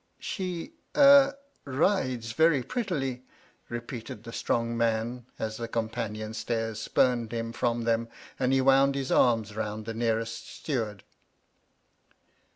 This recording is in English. "She — ^ah — rides very prettily," repeated the strong man as the companion stairs spumed him from them and he wound his arms round the nearest steward.